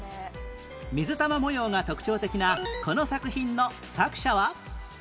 水玉模様が特徴的なこの作品の作者は？